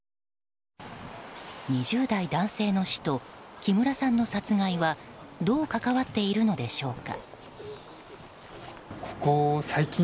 ２０代男性の死と木村さんの殺害はどう関わっているのでしょうか。